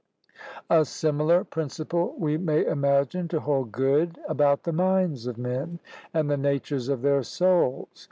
A similar principle we may imagine to hold good about the minds of men and the natures of their souls.